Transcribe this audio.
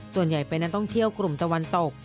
ส่วนใหญ่เป็นนักท่องเที่ยวกลุ่มตะวันตก